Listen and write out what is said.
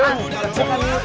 jangan cekan nyurup